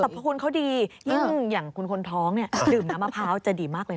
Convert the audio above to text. สรรพคุณเขาดียิ่งอย่างคนท้องดื่มน้ำมะพร้าวจะดีมากเลย